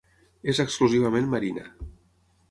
És exclusivament marina.